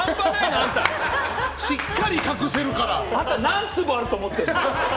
あんた、何坪あると思ってるの！